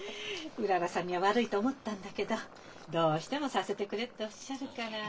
うららさんには悪いと思ったんだけど「どうしてもさせてくれ」っておっしゃるから。